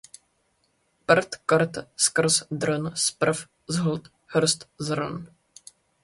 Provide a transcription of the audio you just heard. Prd krt skrz drn, zprv zhlt hrst zrn.